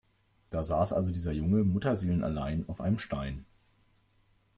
Da saß also dieser Junge mutterseelenallein auf einem Stein.